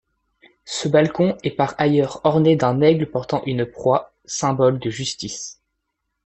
Ce balcon est par ailleurs orné d'un aigle portant une proie, symbole de justice.